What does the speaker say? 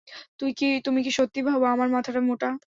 তুমি কি সত্যিই ভাবো আমার মাথাটা মোটা?